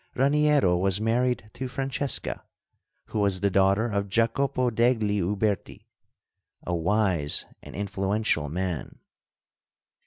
Raniero was married to Francesca, who was the daughter of Jacopo degli Uberti, a wise and influential man.